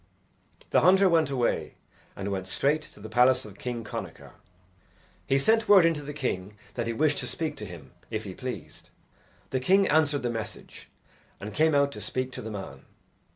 The hunter went away, and went straight to the palace of King Connachar. He sent word in to the king that he wished to speak to him if he pleased. The king answered the message and came out to speak to the man.